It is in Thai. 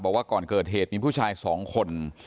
บอกว่าก่อนเกิดเหตุมีผู้ชาย๒คน